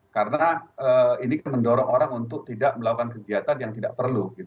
karena ini mendorong orang untuk tidak melakukan kegiatan yang tidak perlu